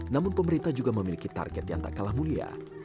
namun pemerintah juga memiliki target yang tak kalah mulia